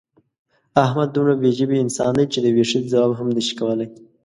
احمد دومره بې ژبې انسان دی چې د یوې ښځې ځواب هم نشي کولی.